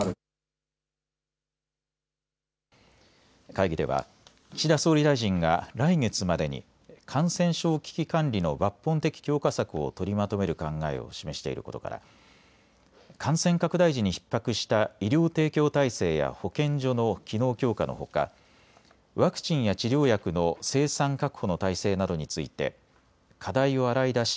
会議では岸田総理大臣が来月までに感染症危機管理の抜本的強化策を取りまとめる考えを示していることから感染拡大時にひっ迫した医療提供体制や保健所の機能強化のほかワクチンや治療薬の生産・確保の体制などについて課題を洗い出し